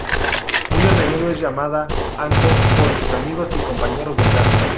Muy a menudo es llamada "Anko" por sus amigos y compañeros de clase.